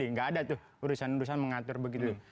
nggak ada tuh urusan urusan mengatur begitu